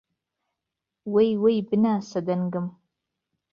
وهی وهی بناسه دهنگم